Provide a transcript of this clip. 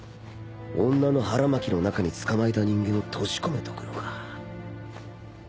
女の腹巻きの中に捕まえた人間を閉じ込めとくのか